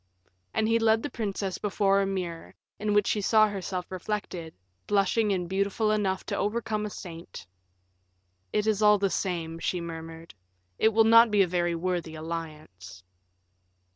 And he led the princess before a mirror, in which she saw herself reflected, blushing and beautiful enough to overcome a saint. "It is all the same," she murmured; "it will not be a very worthy alliance."